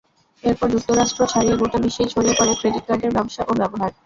এরপর যুক্তরাষ্ট্র ছাড়িয়ে গোটা বিশ্বেই ছড়িয়ে পড়ে ক্রেডিট কার্ডের ব্যবসা ও ব্যবহার।